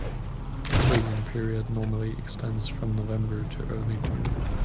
The freezing period normally extends from November to early June.